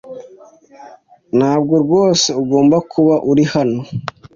Ntabwo rwose ugomba kuba uri hano.